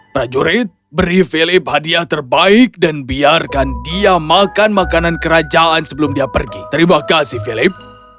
prajurit beri philip hadiah terbaik dan biarkan dia makan makanan kerajaan sebelum dia pergi terima kasih philip